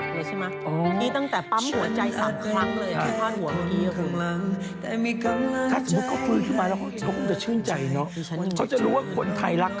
ถ้าสมมติเขาพลึงขึ้นมาแล้วเขาจะชื่นใจเนอะเขาจะรู้ว่าคนไทยรักเขาขนาดไหนเนอะดูสิมาเยี่ยมกันเย็นเลย